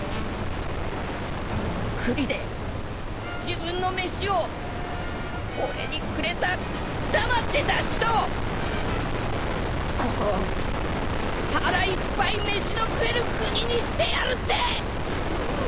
九里で自分の飯を俺にくれたたまってダチとここを腹いっぱい飯の食える国にしてやるって！